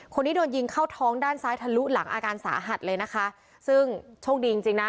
คนนี้โดนยิงเข้าท้องด้านซ้ายทะลุหลังอาการสาหัสเลยนะคะซึ่งโชคดีจริงจริงนะ